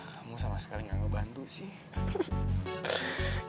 kamu sama sekali nggak ngebantu sih